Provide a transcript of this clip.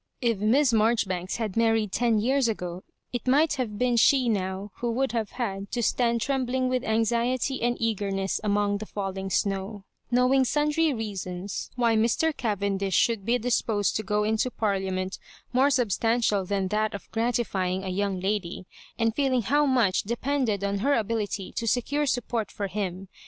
If Miss Marjoribanks had married ten years ago, it might have been she now who would have had to stand trembling with anxiety and eagemess among the falling snow, knowing sundry rea sons why Mr. Cavendish should be disposed to go into Parliament more substantial than that of gratifying a young lady, and feeling how much depended on her ability to secure support for him.